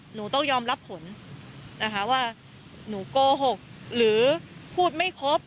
หนูต้องยอมรับผลนะคะว่าหนูโกหกหรือพูดไม่ครบ